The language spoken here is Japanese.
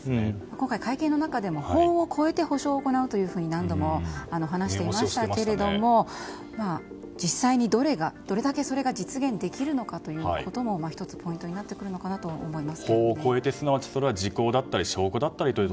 会見の中でも法を超えて補償を行っていくと何度も話していましたけれども実際にどれだけそれが実現するのかも１つ、ポイントになるのかなと思います。